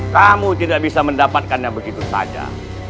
kamu tidak bisa mendapatkannya begitu saja